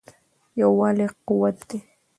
یووالی قوت دی.